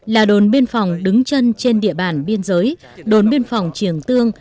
là đồn biên phòng đứng chân trên địa bàn biên giới đồn biên phòng triềng tương